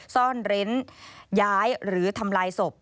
ซ่อนเร้นย้ายหรือทำลายศพ